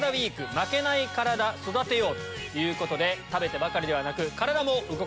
「負けないカラダ、育てよう」。ということで食べてばかりではなく。